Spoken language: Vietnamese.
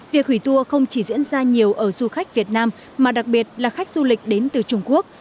việc hủy tour không chỉ diễn ra nhiều ở du khách việt nam mà đặc biệt là khách du lịch đến từ trung quốc